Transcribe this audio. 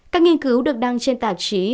các nghiên cứu được đăng trên tạp chí